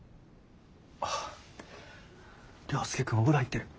あっ涼介くんお風呂入ってる。